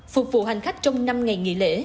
phục vụ hành khách trong năm ngày nghỉ lễ